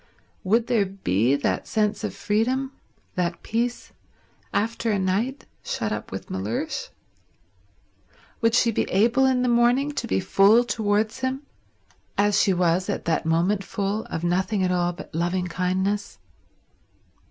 Would there be that sense of freedom, that peace, after a night shut up with Mellersh? Would she be able in the morning to be full towards him, as she was at that moment full, of nothing at all but loving kindness?